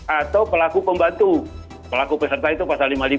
atau pelaku pembantu pelaku peserta itu pasal lima puluh lima